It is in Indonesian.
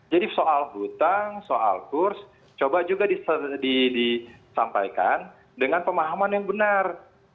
jadi soal utang soal kurs coba juga disampaikan dengan pemahaman yang benar